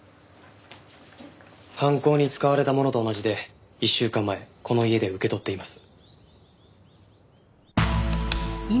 犯行に使われたものと同じで１週間前この家で受け取っています。